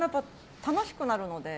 楽しくなるので。